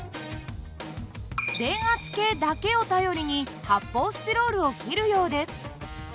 電圧計だけを頼りに発泡スチロールを切るようです。